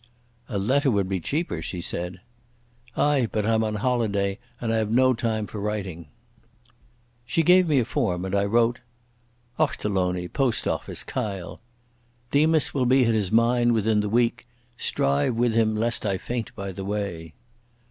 "A letter would be cheaper," she said. "Ay, but I'm on holiday and I've no time for writing." She gave me a form, and I wrote: _Ochterlony. Post Office, Kyle.—Demas will be at his mine within the week. Strive with him, lest I faint by the way.